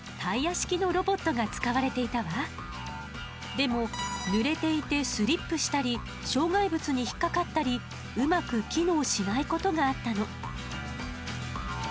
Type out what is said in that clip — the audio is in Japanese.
でもぬれていてスリップしたり障害物に引っ掛かったりうまく機能しないことがあったの。